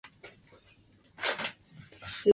洪武十八年乙丑科登进士。